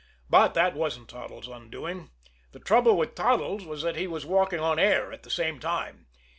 But that wasn't Toddles' undoing. The trouble with Toddles was that he was walking on air at the same time.